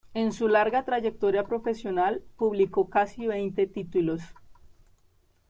En su larga trayectoria profesional publicó casi veinte títulos.